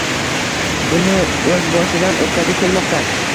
buni o‘z boshidan o‘tkazib kelmoqda.